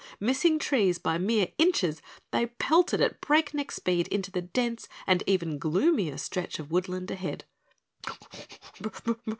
Missing trees by mere inches, they pelted at breakneck speed into the dense and even gloomier stretch of woodland ahead.